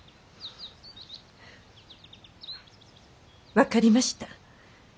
分かりました。